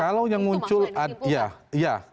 itu maksudnya yang dikumpulkan